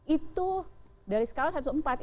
itu dari skala satu empat